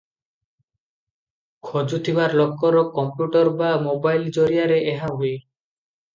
ଖୋଜୁଥିବା ଲୋକର କମ୍ପ୍ୟୁଟର ବା ମୋବାଇଲ ଜରିଆରେ ଏହା ହୁଏ ।